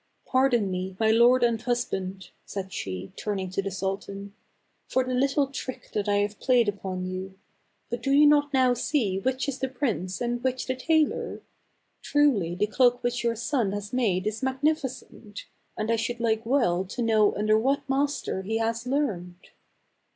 Pardon me, my lord and hus band," said she, turning to the sultan, " for the little trick that I have played upon you. But do you not now see which is the prince and 212 THE CAB AVAN. * which the tailor ? Truly the cloak which your son has made is magnificent, and I should like well to know under what master he has learned."